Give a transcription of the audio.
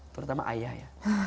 pertama ayah ya